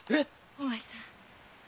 お前さん